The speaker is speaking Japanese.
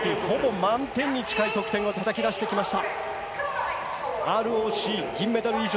ほぼ満点に近い得点をたたき出してきました。